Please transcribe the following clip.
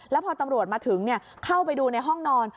แล้วพอตำรวจมาถึงเข้าไปดูในห้องนอน